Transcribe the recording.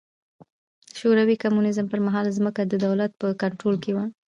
د شوروي کمونېزم پر مهال ځمکه د دولت په کنټرول کې وه.